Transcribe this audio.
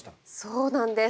そうなんです。